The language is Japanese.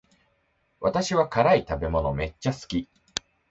私は辛い食べ物めっちゃ好き